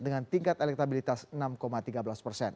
dengan tingkat elektabilitas enam tiga belas persen